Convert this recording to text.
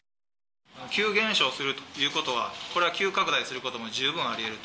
急減少するということは、これは急拡大することも十分ありえると。